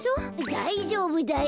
だいじょうぶだよ。